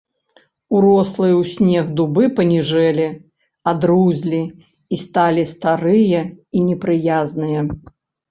Урослыя ў снег дубы паніжэлі, адрузлі, сталі старыя і непрыязныя.